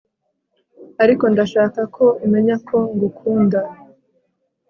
ariko ndashaka ko umenya ko ngukunda